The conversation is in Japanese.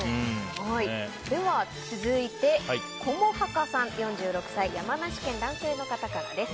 続いて、４６歳、山梨県男性の方です。